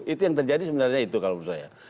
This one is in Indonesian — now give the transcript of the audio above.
itu yang terjadi sebenarnya itu kalau menurut saya